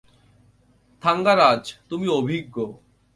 থাঙ্গারাজ, তুমি অভিজ্ঞ।